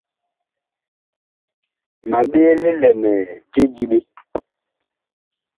Ma ɓee lilɛmɛɛ je diɓe.